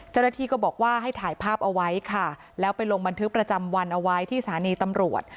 เจ้าหน้าที่ก็บอกว่าให้ถ่ายภาพเอาไว้ค่ะแล้วไปลงบันทึกประจำวันเอาไว้ที่สถานีตำรวจ